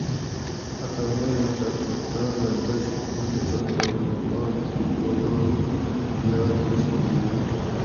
اتھاں مانوڄہ کھوپتاۤنہ دش مانوڄہ قران پاک گی بوباں یاریں شیکہ یاگ